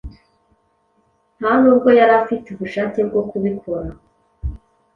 Nta nubwo yari afite ubushake bwo kubikora